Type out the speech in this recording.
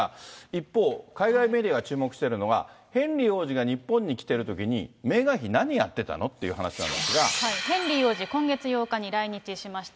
一方、海外メディアが注目してるのは、ヘンリー王子が日本に来てるときに、メーガン妃、ヘンリー王子、今月８日に来日しました。